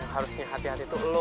harusnya hati hati tuh lo